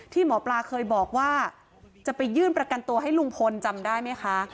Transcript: หมอปลาเคยบอกว่าจะไปยื่นประกันตัวให้ลุงพลจำได้ไหมคะ